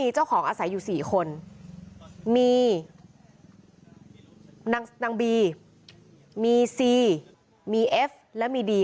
เจ้าของอาศัยอยู่๔คนมีนางบีมีซีมีเอฟและมีดี